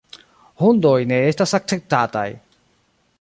Hundoj ne estas akceptataj.